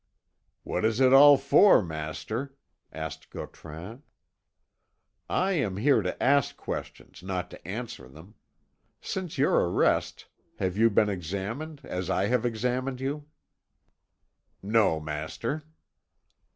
"What is it all for, master?" asked Gautran. "I am here to ask questions, not to answer them. Since your arrest, have you been examined as I have examined you?" "No, master."